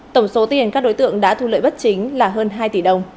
tổng số tiền các đối tượng đã thu lợi bất chính là hơn hai tỷ đồng